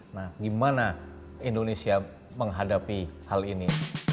nah gimana indonesia menghadapi hal ini